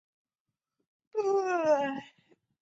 此大楼的局部也曾为由法国人开办的乌利文洋行。